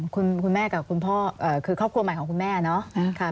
คุณแม่กับคุณพ่อคือครอบครัวใหม่ของคุณแม่เนาะ